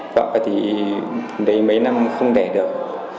vợ thì đấy mấy năm không đẻ được